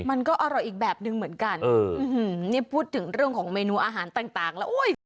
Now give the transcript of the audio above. มันก็อร่อยอีกแบบหนึ่งเหมือนกันนี่พูดถึงเรื่องของเมนูอาหารต่างแล้วอุ้ย